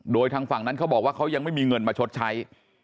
โดยทางฝั่งนั้นเขาบอกว่าเขายังไม่มีเงินมาชดใช้